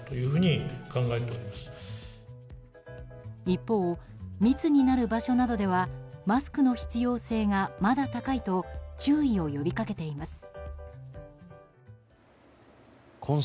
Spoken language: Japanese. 一方、密になる場所などではマスクの必要性がまだ高いと注意を呼びかけています。